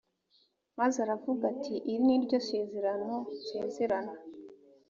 maze aravuga ati iri ni ryo sezerano nsezerana